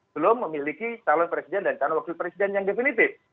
belum memiliki calon presiden dan calon wakil presiden yang definitif